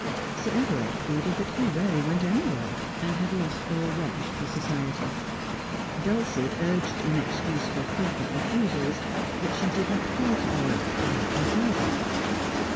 Sir Everard pleaded that he rarely went anywhere, and had lost all relish for society. Dulcie urged in excuse for frequent refusals that she did not care to go out without her father.